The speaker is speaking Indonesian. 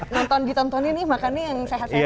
nonton ditontonin nih makannya yang sehat sehat aja